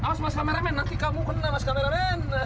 kaos mas kameramen nanti kamu kena mas kameramen